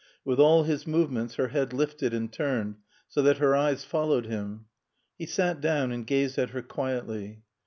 With all his movements her head lifted and turned so that her eyes followed him. He sat down and gazed at her quietly.